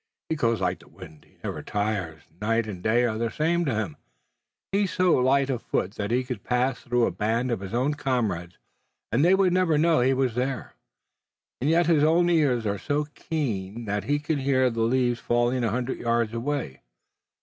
He goes like the wind, he never tires, night and day are the same to him, he's so light of foot that he could pass through a band of his own comrades and they would never know he was there, and yet his own ears are so keen that he can hear the leaves falling a hundred yards away.